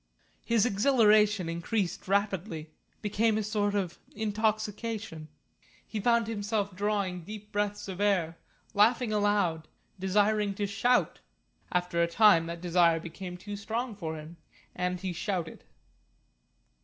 His exhilaration increased rapidly, became a sort of intoxication. He found himself drawing deep breaths of air, laughing aloud, desiring to shout. After a time that desire became too strong for him, and he shouted.